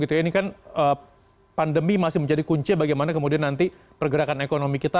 ini kan pandemi masih menjadi kunci bagaimana kemudian nanti pergerakan ekonomi kita